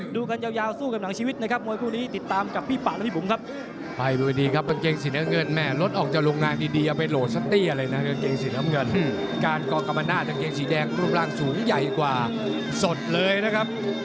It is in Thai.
ดูกันยาวสู้กับหนังชีวิตนะครับมวยคู่นี้ติดตามกับพี่ปาและพี่มุมครับ